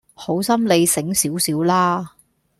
好心你醒少少啦